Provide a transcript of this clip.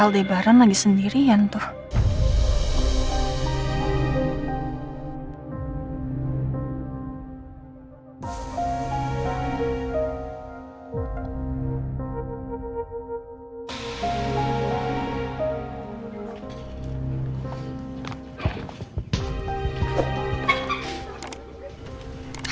aldebaran lagi sendirian tuh